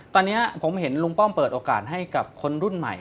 ตอนนี้ผมเห็นลุงป้อมเปิดโอกาสให้กับคนรุ่นใหม่